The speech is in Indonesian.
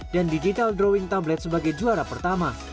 dan digital drawing tablet sebagai juara pertama